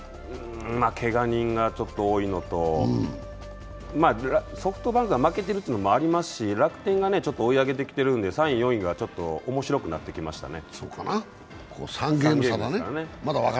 けが人がちょっと多いのと、ソフトバンクが負けてるというのもありますし楽天が追い上げてきてるので３位、４位がちょっと面白くなってきましたね。